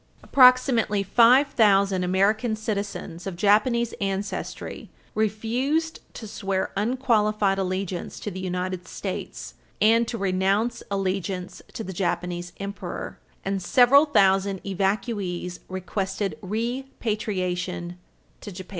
Approximately five thousand American citizens of Japanese ancestry refused to swear unqualified allegiance to the United States and to renounce allegiance to the Japanese Emperor, and several thousand evacuees requested repatriation to Japan.